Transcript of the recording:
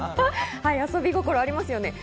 遊び心ありますよね。